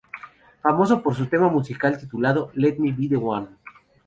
Famoso por su tema musical titulado "Let Me Be The One".